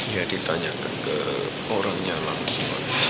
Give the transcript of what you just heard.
ya ditanyakan ke orang yang lagi